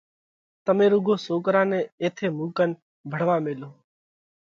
تمي رُوڳو سوڪرا نئہ ايٿئہ مُون ڪنَ ڀڻوا ميلو۔